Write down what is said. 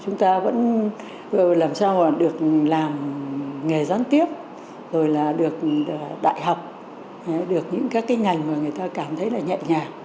chúng ta vẫn làm sao mà được làm nghề gián tiếp rồi là được đại học được những các cái ngành mà người ta cảm thấy là nhẹ nhàng